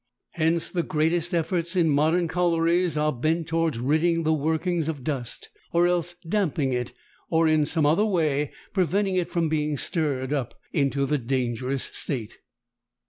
Hence the greatest efforts in modern collieries are bent towards ridding the workings of dust or else damping it or in some other way preventing it from being stirred up into the dangerous state.